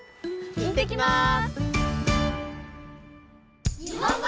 いってきます！